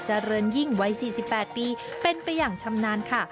เจริญยิ่งวัย๔๘ปีเป็นไปอย่างชำนาญค่ะ